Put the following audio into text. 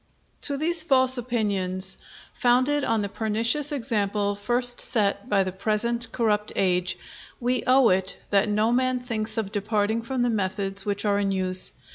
To these false opinions, founded on the pernicious example first set by the present corrupt age, we owe it, that no man thinks of departing from the methods which are in use.